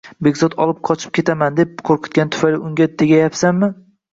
Begzod olib qochib ketaman, deb qo`rqitgani tufayli unga tegayapsanmi